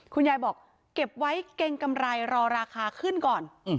คุณยายบอกเก็บไว้เกรงกำไรรอราคาขึ้นก่อน